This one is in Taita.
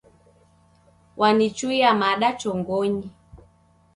Wanichuia mada chongonyi.